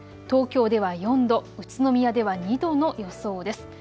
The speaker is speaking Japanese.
東京では４度、宇都宮では２度の予想です。